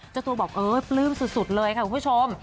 เจ้าตัวบอกเออปลื้มสุดเลยค่ะคุณผู้ชม